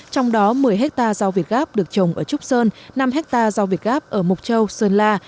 trong đó một mươi ha rau việt gáp được trồng ở trúc sơn năm ha rau việt gáp ở mục châu sơn la